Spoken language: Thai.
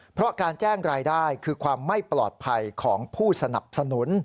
เพราะการแจ้งรายได้คือความไม่ปลอดภัยของผู้สนับสนุน